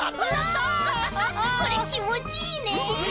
これきもちいいね！